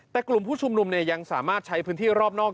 แต่กลุ่มผู้ชุมนุมยังสามารถใช้พื้นที่รอบนอก